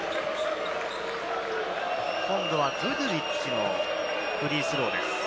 今度はグドゥリッチのフリースローです。